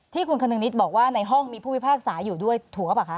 ที่คุณคนึงนิดบอกว่าในห้องมีผู้พิพากษาอยู่ด้วยถูกหรือเปล่าคะ